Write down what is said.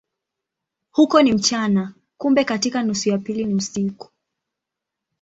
Huko ni mchana, kumbe katika nusu ya pili ni usiku.